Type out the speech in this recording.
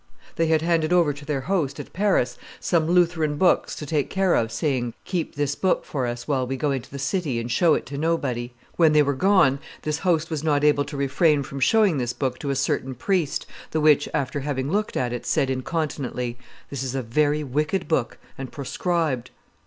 They had handed over to their host at Paris some Lutheran books to take care of, saying, 'Keep this book for us while we go into the city, and show it to nobody.' When they were gone, this host was not able to refrain from showing this book to a certain priest, the which, after having looked at it, said incontinently, 'This is a very wicked book, and proscribed.